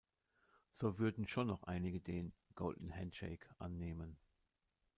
So würden schon noch einige den "Golden Handshake" annehmen.